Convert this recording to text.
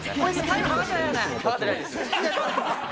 計ってないです。